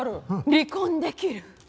離婚できる！